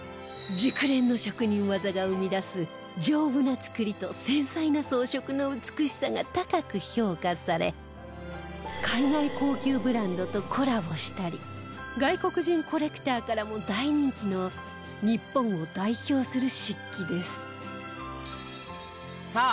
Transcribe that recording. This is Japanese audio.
熟練の職人技が生み出す丈夫な作りと繊細な装飾の美しさが高く評価され海外高級ブランドとコラボしたり外国人コレクターからも大人気の日本を代表する漆器です